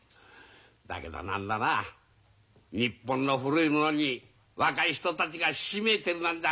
だけど何だな日本の古いものに若い人たちがししめいてるなんざいいねえ。